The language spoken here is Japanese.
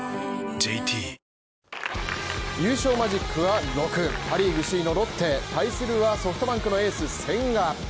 ＪＴ優勝マジックは６パ・リーグ首位のロッテ対するはソフトバンクのエース・千賀。